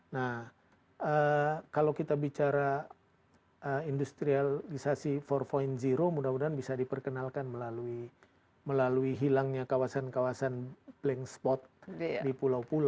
nah kalau kita bicara industrialisasi empat mudah mudahan bisa diperkenalkan melalui hilangnya kawasan kawasan plank spot di pulau pulau